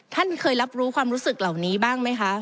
ท่านเคยรับรู้ความรู้สึกเหล่านี้บ้างไหมคะ